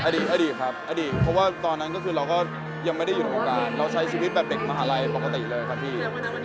อดีตอดีตครับอดีตเพราะว่าตอนนั้นก็คือเราก็ยังไม่ได้อยู่ในวงการเราใช้ชีวิตแบบเด็กมหาลัยปกติเลยครับพี่